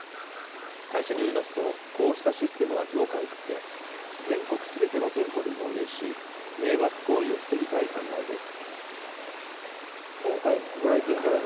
会社によりますと、こうしたシステムは業界初で、全国すべての店舗で導入し、迷惑行為を防ぎたい考えです。